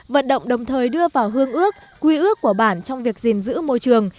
vận động đồng thời đưa vào hương ước quy ước của bản trong việc gìn giữ môi trường